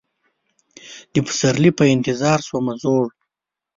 د پسرلي په انتظار شومه زوړ